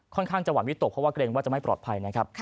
ข้างจังหวัดวิตกเพราะว่าเกรงว่าจะไม่ปลอดภัยนะครับ